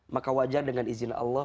maka wajar dengan izin allah